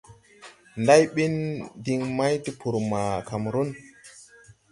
Ndáy ɓin diŋ may tupuri ma Kamrun.